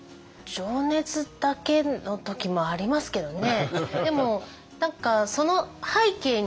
情熱だけの時もありますけどね。